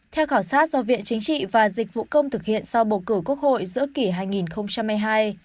theo khảo sát do viện chính trị và dịch vụ công thực hiện sau bầu cử quốc hội giữa kỷ hai nghìn hai mươi hai